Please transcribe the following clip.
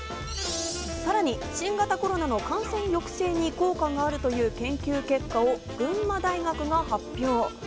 さらに新型コロナの感染抑制に効果があるという研究結果を群馬大学が発表。